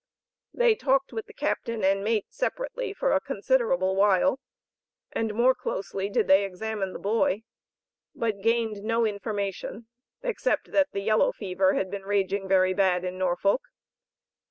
They talked with the Captain and mate separately for a considerable while, and more closely did they examine the boy, but gained no information except that "the yellow fever had been raging very bad in Norfolk."